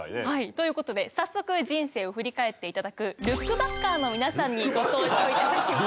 という事で早速人生を振り返って頂くルックバッカーの皆さんにご登場頂きます。